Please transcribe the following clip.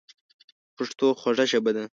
پښتو خوږه ژبه ده.